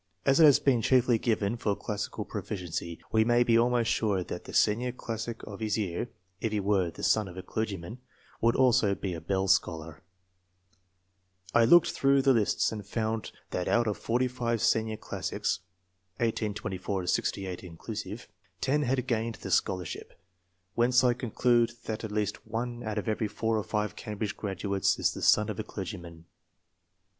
As it has been chiefly given for classical proficiency, we may be almost sure that the senior classic of his year, if he were the son of a clergyman, would also be a Bell scholar. I looked through 24 ENGLISH MEN OF SCIENCE, [chap. the lists, and found that out of 45 senior classics (1824 68 inchisive) 10 had gained the scholar ship, whence I conclude that at least 1 out of every 4 or 5 Cambridge graduates is the son of a clergyman.